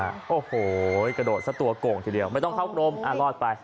ขวดถึงสัตว์โก่งทีเดียวไม่ต้องเข้ากลมลอดไป